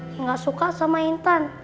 yang gak suka sama intan